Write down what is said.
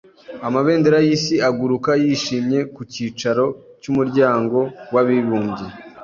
Amabendera yisi aguruka yishimye ku cyicaro cy’umuryango w’abibumbye.